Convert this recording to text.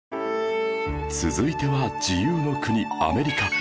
続いては自由の国アメリカ